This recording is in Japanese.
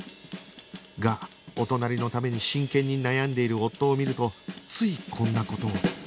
がお隣のために真剣に悩んでいる夫を見るとついこんな事を